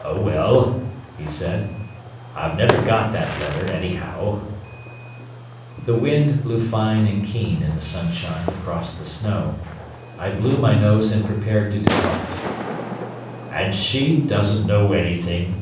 "Oh well," he said. "I've never got that letter, anyhow." The wind blew fine and keen, in the sunshine, across the snow. I blew my nose and prepared to depart. "And she doesn't know anything?"